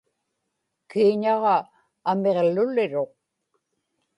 kiiñaġa amiġluliruq